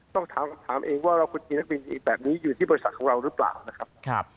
ต้องถามเองว่าเรามีนักบินที่แบบนี้อยู่ที่บริษัทของเรารึเปล่านะครับ